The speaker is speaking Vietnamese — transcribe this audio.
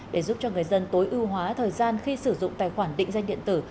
để giúp cho người dân tối ưu hóa thời gian khi sử dụng tài khoản định danh điện tử